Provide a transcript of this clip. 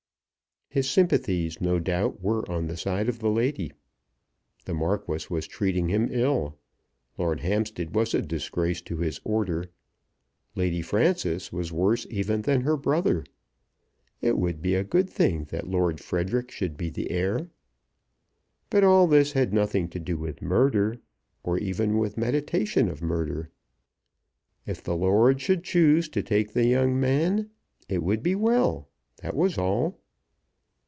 His sympathies no doubt were on the side of the lady. The Marquis was treating him ill. Lord Hampstead was a disgrace to his order. Lady Frances was worse even than her brother. It would be a good thing that Lord Frederic should be the heir. But all this had nothing to do with murder, or even with meditation of murder. If the Lord should choose to take the young man it would be well; that was all.